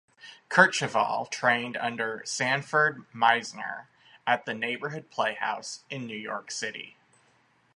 Kercheval trained under Sanford Meisner at The Neighborhood Playhouse in New York City.